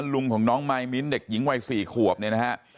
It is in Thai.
ลุงของน้องมายมิ้นท์เด็กหญิงวัย๔ขวบเนี่ยนะฮะ